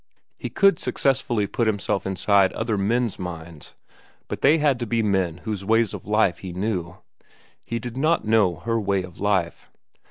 He could successfully put himself inside other men's minds, but they had to be men whose ways of life he knew. He did not know her way of life.